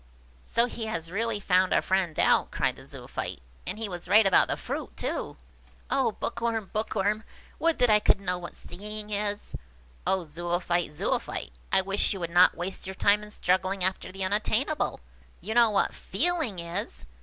"So he has really found our friend out!" cried the Zoophyte; "and he was right about the fruit, too! Oh, Bookworm, Bookworm! would that I could know what seeing is!" "Oh, Zoophyte, Zoophyte! I wish you would not waste your time in struggling after the unattainable! You know what feeling is.